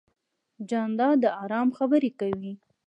جانداد د ارام خبرې کوي.